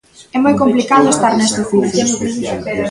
É moi complicado estar neste oficio.